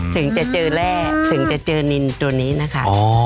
ถึงจะเจอแร่ถึงจะเจอนินตัวนี้นะคะ